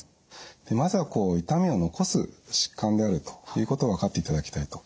まずは痛みを残す疾患であるということを分かっていただきたいと。